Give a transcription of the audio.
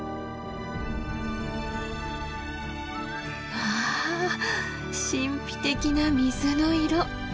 わあ神秘的な水の色。